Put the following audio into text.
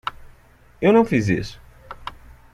Eu não fiz isso.